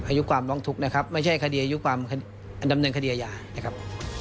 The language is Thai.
อายุความร้องทุกข์นะครับไม่ใช่คดีอายุความดำเนินคดีอาญานะครับ